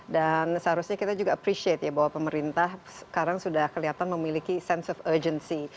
dan seharusnya kita juga appreciate bahwa pemerintah sekarang sudah kelihatan memiliki sense of urgency